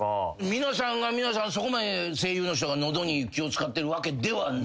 皆さんが皆さんそこまで声優の人が喉に気を使ってるわけではない。